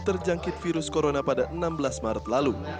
terjangkit virus corona pada enam belas maret lalu